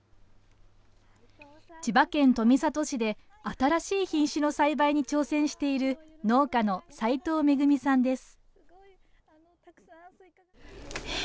千葉県富里市で、新しい品種の栽培に挑戦している、農家の齋藤恵さんです。